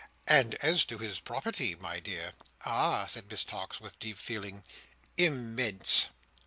"And as to his property, my dear!" "Ah!" said Miss Tox, with deep feeling. "Im mense!"